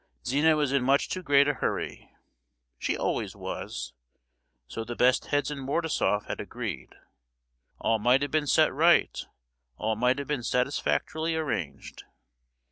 Zina was in much too great a hurry. (She always was,—so the best heads in Mordasoff had agreed!) All might have been set right; all might have been satisfactorily arranged!